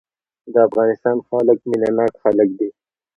د افغانستان خلک مينه ناک خلک دي.